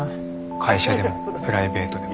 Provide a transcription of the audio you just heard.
会社でもプライベートでも。